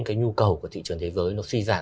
cái nhu cầu của thị trường thế giới nó suy giảm